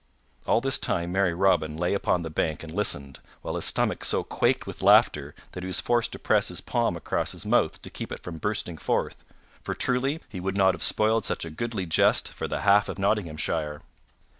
All this time merry Robin lay upon the bank and listened, while his stomach so quaked with laughter that he was forced to press his palm across his mouth to keep it from bursting forth; for, truly, he would not have spoiled such a goodly jest for the half of Nottinghamshire.